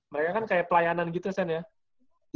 mereka kan kayak pelayanan gitu kan ya